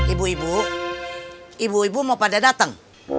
ibu ibu ibu ibu mau pada datang